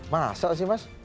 masa sih mas